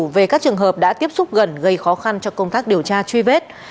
về các trường hợp đã tiếp xúc gần gây khó khăn cho công tác điều tra truy vết